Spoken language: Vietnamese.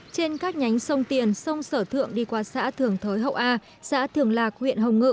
trên các nhánh sông tiền sông sở thượng đi qua xã thường thới hậu a xã thường lạc huyện hồng ngự